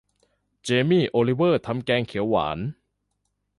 เจมี่ โอลิเวอร์ทำแกงเขียวหวาน